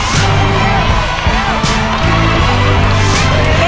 สวัสดีครับ